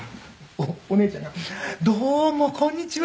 お姉ちゃんが「どうもこんにちは。